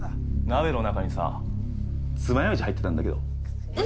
鍋の中にさ、つまようじ入ってたんだけど。